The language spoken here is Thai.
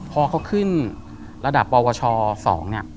พอเขาขึ้นระดับปวช๒เนี่ย